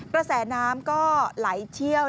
กระแสน้ำก็ไหลเชี่ยว